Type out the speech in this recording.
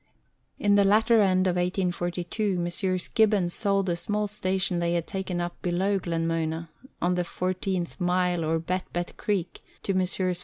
In the latter end of 1842 Messrs. Gibbon sold a small station they had taken up below Glenmona on the Fourteen Mile or Bet Bet Creek to Messrs.